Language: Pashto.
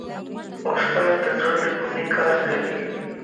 استاد د زړه له کومې کار کوي.